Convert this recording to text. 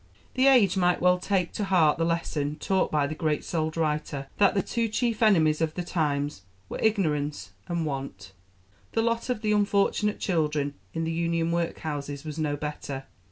The age might well take to heart the lesson taught by the great souled writer that the two chief enemies of the times were Ignorance and Want. The lot of the unfortunate children in the Union Workhouses was no better.